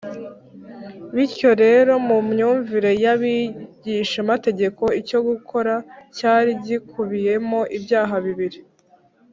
bityo rero, mu myumvire y’abigishamategeko, icyo gikorwa cyari gikubiyemo ibyaha bibiri